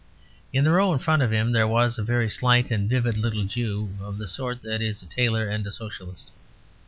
In the row in front of him there was a very slight and vivid little Jew, of the sort that is a tailor and a Socialist.